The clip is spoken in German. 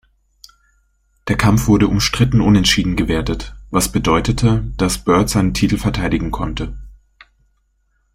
Der Kampf wurde umstritten unentschieden gewertet, was bedeutete, dass Byrd seinen Titel verteidigen konnte.